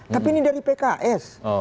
tapi ini dari pks